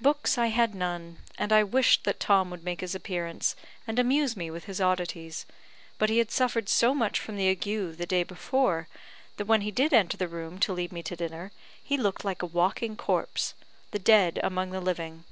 Books I had none, and I wished that Tom would make his appearance, and amuse me with his oddities; but he had suffered so much from the ague the day before that when he did enter the room to lead me to dinner, he looked like a walking corpse the dead among the living!